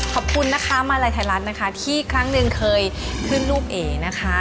ขอบคุณนะคะมาลัยไทยรัฐนะคะที่ครั้งหนึ่งเคยขึ้นรูปเอ๋นะคะ